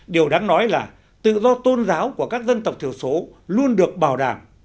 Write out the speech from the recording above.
điều đáng nói là tự do tôn giáo của các dân tộc thiểu số luôn được bảo đảm